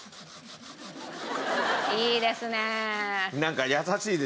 いいですね！